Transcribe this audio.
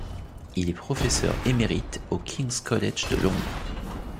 Il est professeur émérite au King's College de Londres.